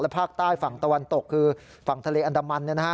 ภาคใต้ฝั่งตะวันตกคือฝั่งทะเลอันดามัน